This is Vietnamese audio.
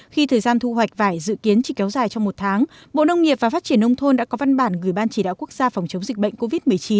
khi thời gian thu hoạch vải dự kiến chỉ kéo dài trong một tháng bộ nông nghiệp và phát triển nông thôn đã có văn bản gửi ban chỉ đạo quốc gia phòng chống dịch bệnh covid một mươi chín